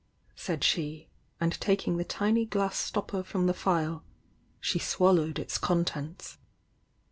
said she, and taking the tiny glass stopper from the phial she swallowed its contents.